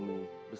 jadi nyowa dong